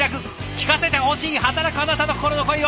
聞かせてほしい働くあなたの心の声を。